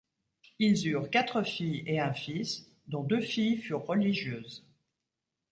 Ils eurent quatre filles et un fils, dont deux filles furent religieuses.